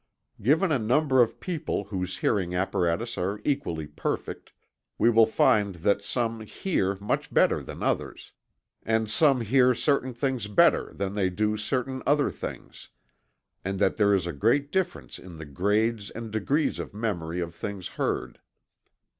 Given a number of people whose hearing apparatus are equally perfect, we will find that some "hear" much better than others; and some hear certain things better than they do certain other things; and that there is a great difference in the grades and degrees of memory of the things heard.